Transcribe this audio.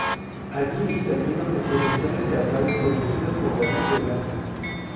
Allí intervino en producciones teatrales producidas por David Belasco.